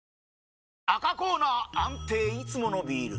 赤コーナー安定いつものビール！